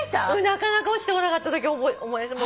なかなか落ちてこなかったとき思い出した。